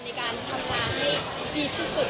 ในการทำงานให้ดีที่สุด